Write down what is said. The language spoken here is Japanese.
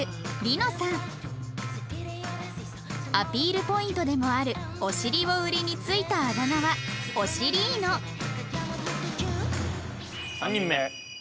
アピールポイントでもあるお尻を売りに付いたあだ名は３人目。